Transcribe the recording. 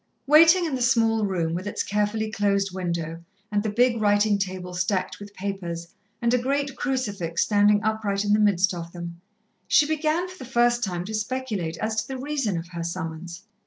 Waiting in the small room, with its carefully closed window, and the big writing table stacked with papers, and a great crucifix standing upright in the midst of them, she began for the first time to speculate as to the reason of her summons.